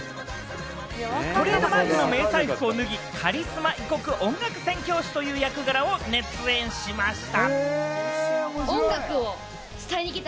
トレードマークの迷彩服を脱ぎ、カリスマ異国音楽宣教師という役柄を熱演しました。